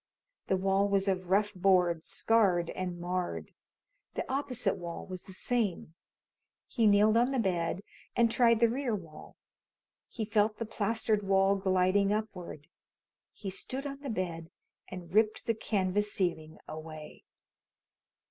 The wall was of rough boards, scarred and marred. The opposite wall was the same. He kneeled on the bed and tried the rear wall. He felt the plastered wall gliding upward. He stood on the bed and ripped the canvas ceiling away.